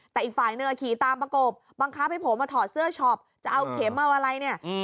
แต่อีกฝ่ายหนึ่งขี่ตามประกบบังคับให้ผมมาถอดเสื้อช็อปจะเอาเข็มเอาอะไรเนี่ย